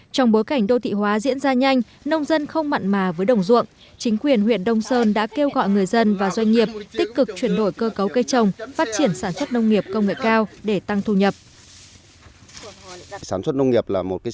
trong bối cảnh đô thị hóa diễn ra nhanh nông dân không mặn mà với đồng ruộng chính quyền huyện đông sơn đã kêu gọi người dân và doanh nghiệp tích cực chuyển đổi cơ cấu cây trồng phát triển sản xuất nông nghiệp công nghệ cao để tăng thu nhập